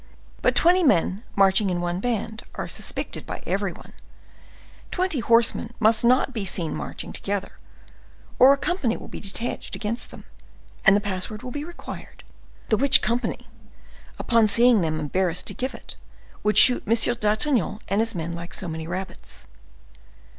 But twenty men marching in one band are suspected by everybody; twenty horsemen must not be seen marching together, or a company will be detached against them and the password will be required; the which company, upon seeing them embarrassed to give it, would shoot M. d'Artagnan and his men like so many rabbits.